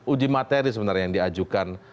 uji materi sebenarnya yang diajukan